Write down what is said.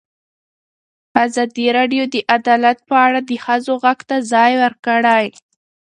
ازادي راډیو د عدالت په اړه د ښځو غږ ته ځای ورکړی.